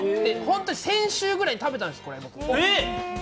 本当に先週ぐらいに食べたんです、これ。